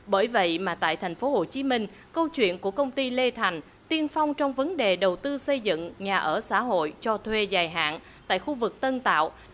bởi vậy mà tại tp hcm câu chuyện của công ty lê thành tiên phong trong vấn đề đầu tư xây dựng nhà ở xã hội cho thuê dài hạn tại khu vực tân tạo